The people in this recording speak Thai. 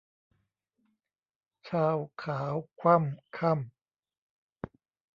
ชาวขาวคว่ำค่ำ